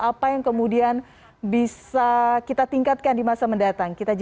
apa yang kemudian bisa kita tingkatkan di masa mendatang